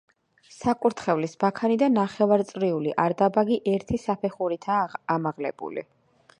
საკურთხევლის ბაქანი და ნახევარწრიული არდაბაგი ერთი საფეხურითაა ამაღლებული.